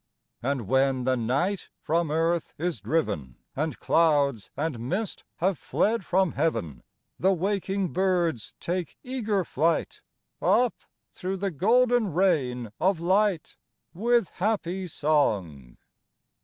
And when the night from earth is driven, And clouds and mist have fled from heaven, The waking birds take eager flight Up through the golden rain of light, With happy song.